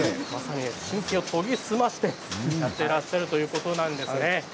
神経を研ぎ澄ましてやってらっしゃるということなんですね。